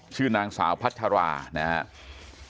ชื่อนางสาวพัชรานะครับ